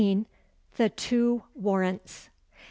The two warrants.